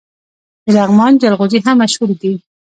د لغمان جلغوزي هم مشهور دي.